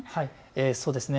そうですね。